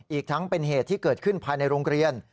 อีกทั้งเป็นเหตุที่เกิดขึ้นภายในโรงเรียน